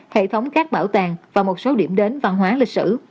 hệ thống các bảo tàng và một số điểm đến văn hóa lịch sử